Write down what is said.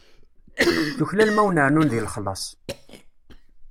Tuklalem ad wen-rnun deg lexlaṣ.